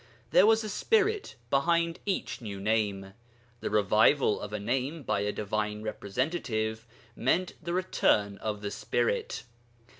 There was a spirit behind each new name; the revival of a name by a divine representative meant the return of the spirit.